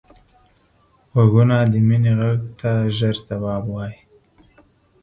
غوږونه د مینې غږ ته ژر ځواب وايي